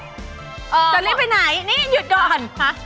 จะรีบไปไหนนี่หยุดก่อน